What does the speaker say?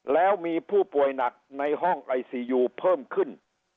แล้วมีผู้ป่วยหนักในห้องไอซียูเพิ่มขึ้น